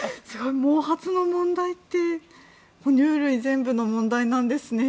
毛髪の問題って哺乳類全部の問題なんですね。